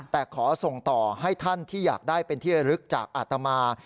แต่ขอส่งต่อให้ท่านที่อยากได้เป็นที่ระลึกจากอาตมา